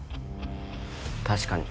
確かに。